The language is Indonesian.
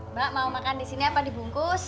mbak mau makan disini apa dibungkus